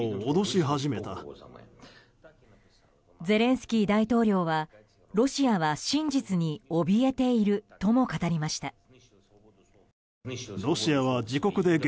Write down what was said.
ゼレンスキー大統領はロシアは真実におびえているとも語りました。